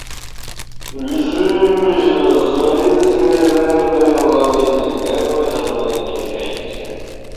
Движение уличное остановилось и милиционер принялся выяснять, как произошло это несчастье.